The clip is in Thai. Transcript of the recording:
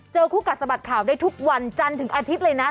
คู่กัดสะบัดข่าวได้ทุกวันจันทร์ถึงอาทิตย์เลยนะ